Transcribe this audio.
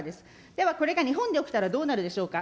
ではこれが日本で起きたらどうなるでしょうか。